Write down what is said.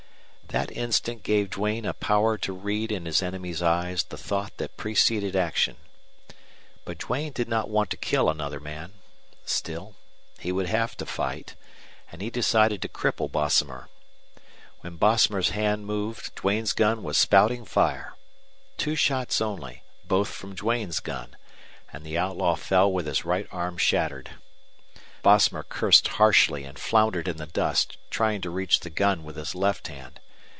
That instant gave Duane a power to read in his enemy's eyes the thought that preceded action. But Duane did not want to kill another man. Still he would have to fight, and he decided to cripple Bosomer. When Bosomer's hand moved Duane's gun was spouting fire. Two shots only both from Duane's gun and the outlaw fell with his right arm shattered. Bosomer cursed harshly and floundered in the dust, trying to reach the gun with his left hand.